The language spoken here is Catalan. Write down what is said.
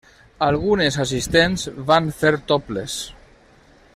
Algunes assistents van fer topless.